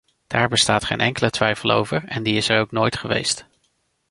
Daar bestaat geen enkele twijfel over, en die is er ook nooit geweest.